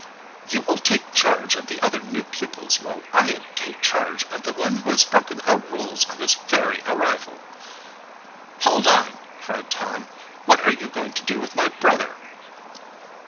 "You will take charge of the other new pupils, while I take charge of the one who has broken our rules on his very arrival." "Hold on!" cried Tom. "What are you going to do with my brother?"